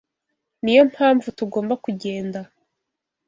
Niyo mpamvu tugomba kugenda.